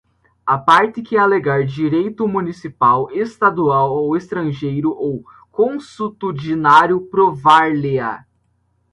A parte que alegar direito municipal, estadual, estrangeiro ou consuetudinário provar-lhe-á